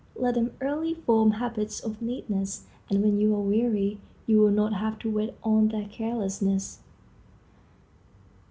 Let them early form habits of neatness, and when you are weary you will not have to wait on their carelessness.